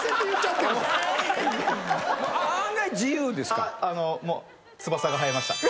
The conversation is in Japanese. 案外自由ですか？